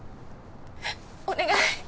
お願い